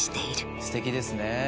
すてきですね。